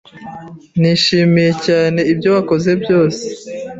Nishimiye cyane ibyo wakoze byose.